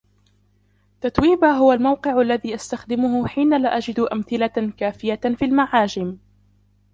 تتويبا هو الموقع الذي أستخدمه حين لا أجد أمثلةً كافيةً في المعاجم.